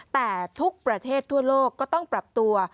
แต่ทุกประเทศทั่วโลกก็ต้องปรับตัว